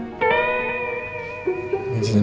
gak bisa ngetahuan